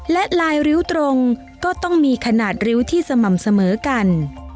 และลายริ้วตรงก็ต้องมีขนาดริ้วที่สม่ำเสมอกัน